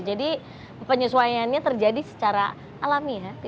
jadi penyesuaiannya terjadi secara alami ya tidak dipaksakan